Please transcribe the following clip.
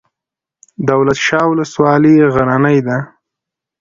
دولت شاه ولسوالۍ غرنۍ ده؟